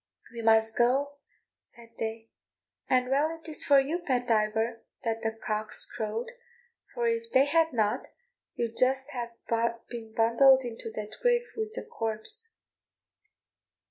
"We must go," said they, "and well is it for you, Pat Diver, that the cocks crowed, for if they had not, you'd just ha' been bundled into that grave with the corpse."